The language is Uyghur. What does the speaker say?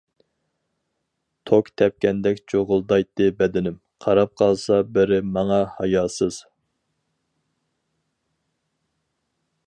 توك تەپكەندەك جۇغۇلدايتتى بەدىنىم، قاراپ قالسا بىرى ماڭا ھاياسىز.